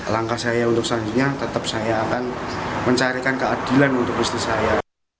langkah saya untuk selanjutnya tetap saya akan mencarikan keadilan untuk istri saya